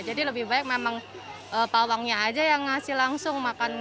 jadi lebih baik memang pawangnya aja yang ngasih langsung makan